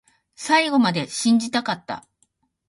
最後まで信じたかった